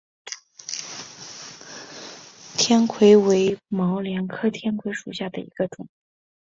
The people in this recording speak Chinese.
天葵为毛茛科天葵属下的一个种。